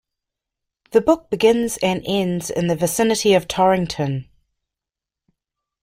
The book begins and ends in the vicinity of Torrington.